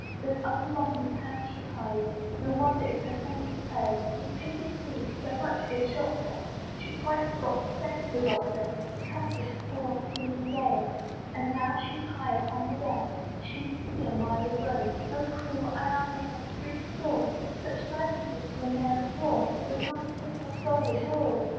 Then up along the town she hies, No wonder if her senses fail, This piteous news so much it shock'd her, She quite forgot to send the Doctor, To comfort poor old Susan Gale. And now she's high upon the down, And she can see a mile of road, "Oh cruel! I'm almost three score; "Such night as this was ne'er before, "There's not a single soul abroad."